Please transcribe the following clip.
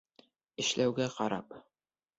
— Эшләүгә ҡарап.